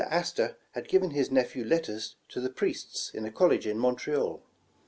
Astor had given his nephew let ters to the priests in a college in Montreal.